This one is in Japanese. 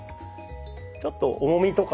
ちょっと重みとか。